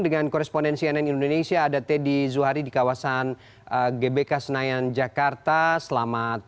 dengan korespondensi nn indonesia ada teddy zuhari di kawasan gbk senayan jakarta selamat